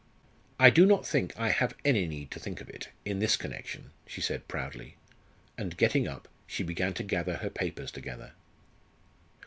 "I do not think I have any need to think of it in this connection," she said proudly. And getting up, she began to gather her papers together.